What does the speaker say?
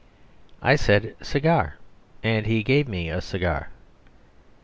I said "cigar," and he gave me a cigar.